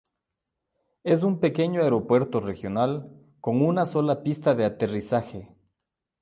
Es un pequeño aeropuerto regional, con una sola pista de aterrizaje.